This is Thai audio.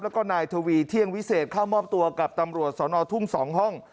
แล้วก็นายทวีเที่ยงวิเศษเข้ามอบตัวกับตำรวจสนทุ่ง๒ห้อง